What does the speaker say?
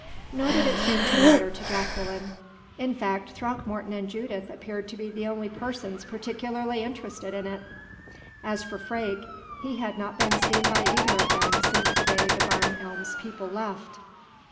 Nor did it seem to matter to Jacqueline. In fact, Throckmorton and Judith appeared to be the only persons particularly interested in it. As for Freke, he had not been seen by either of them since the day the Barn Elms people left.